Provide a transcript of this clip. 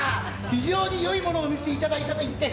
非常に良いものを見せていただいたと言って。